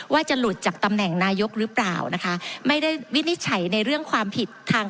ว่าจะหลุดจากตำแหน่งนายกหรือเปล่านะคะไม่ได้วินิจฉัยในเรื่องความผิดทาง